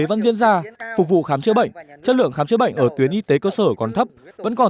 văn diên gia phục vụ khám chữa bệnh chất lượng khám chữa bệnh ở tuyến y tế cơ sở còn thấp vẫn còn